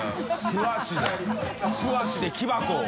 素足で木箱を。